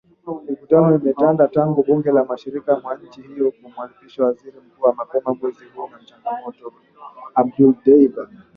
Mivutano imetanda tangu bunge la mashariki mwa nchi hiyo kumwapisha Waziri Mkuu mapema mwezi huu, ni changamoto kwa Waziri Mkuu wa muda Abdulhamid Dbeibah